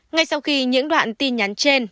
ngay sau khi những đoạn tin nhắn trên